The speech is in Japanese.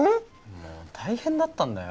もう大変だったんだよ。